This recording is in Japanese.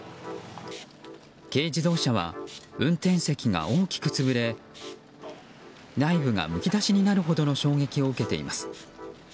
軽自動車は運転席が大きく潰れ内部がむき出しになるほどの衝撃を受けています。